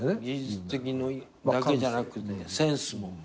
技術的のだけじゃなくてセンスも。